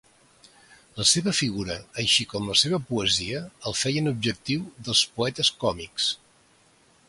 La seva figura així com la seva poesia el feien objectiu dels poetes còmics.